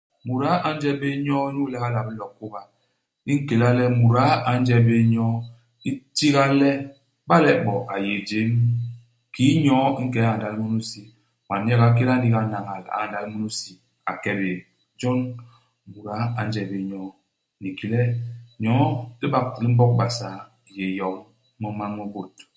Muda a nje bé nyoo inyu le hala a bilo kôba. I nkéla le muda a nje bé nyoo, itiga le iba le bo a yé jém, kiki nyoo i nke i ñandal munu i si, man nyek a kida ndigi a ñañal, a ñandal munu i si, a ke bé. Jon muda a nje bé nyoo. Ni ki le, nyoo, i libak li Mbog Basaa, i yé yom i mimañ mi bôt.